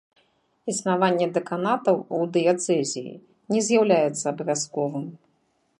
Існаванне дэканатаў у дыяцэзіі не з'яўляецца абавязковым.